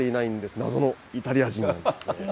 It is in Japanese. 謎のイタリア人なんです。